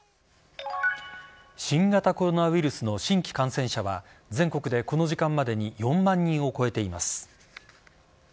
新型コロナウイルスの新規感染者は全国で、この時間までに４万人を超えています。